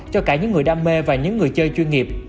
cho cả những người đam mê và những người chơi chuyên nghiệp